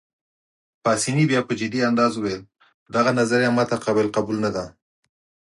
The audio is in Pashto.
پاسیني بیا په جدي انداز وویل: دغه نظریه ما ته قابل قبول نه ده.